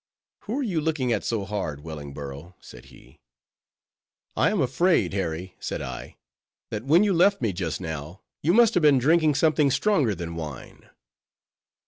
"Who are you looking at so hard, Wellingborough?" said he. "I am afraid, Harry," said I, "that when you left me just now, you must have been drinking something stronger than wine."